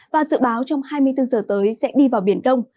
và dự báo trong hai mươi bốn giờ tới sẽ đi vào biển đông